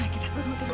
kita tunggu dulu